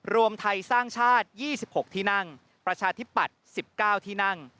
รวมไทยสร้างชาติยี่สิบหกที่นั่งประชาธิปัตย์สิบเก้าที่นั่ง